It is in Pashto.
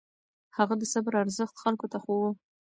هغه د صبر ارزښت خلکو ته ښووه.